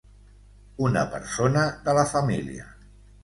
Una persona de la família